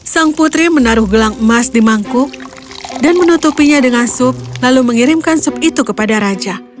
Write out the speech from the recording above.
sang putri menaruh gelang emas di mangkuk dan menutupinya dengan sup lalu mengirimkan sup itu kepada raja